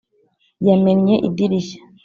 yamennye idirishya.